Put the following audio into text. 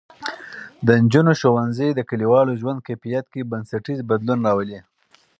د نجونو ښوونځی د کلیوالو ژوند کیفیت کې بنسټیز بدلون راولي.